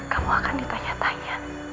kamu akan ditanya tanya